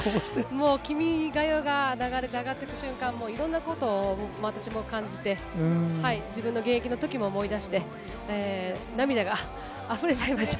もう君が代が流れて上がっていく瞬間、いろんなことを私も感じて、自分の現役のときも思い出して、涙があふれちゃいました。